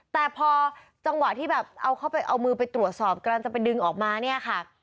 แต่พอจังหวะที่แบบเอาเข้าไปเอามือไปตรวจสอบกำลังจะไปดึงออกมาเนี่ยค่ะ